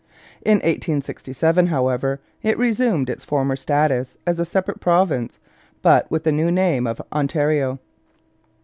In 1867, however, it resumed its former status as a separate province, but with the new name of Ontario.